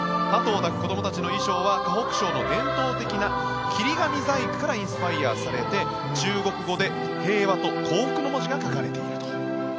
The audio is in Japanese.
ハトを抱く子どもたちの衣装は河北省の伝統的な切り紙細工からインスパイアされて中国語で平和と幸福の文字が書かれていると。